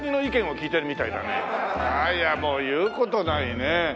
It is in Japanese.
いやもう言う事ないね。